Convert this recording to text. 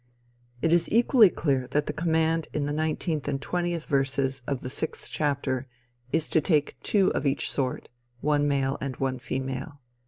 It is equally clear that the command in the 19th and 20th verses of the 6th chapter, is to take two of each sort, one male and one female.